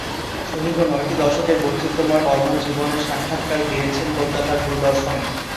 সুদীর্ঘ নয়টি দশকের বৈচিত্র্যময় কর্মজীবনের সাক্ষাৎকার দিয়েছেন কলকাতার দূরদর্শনে।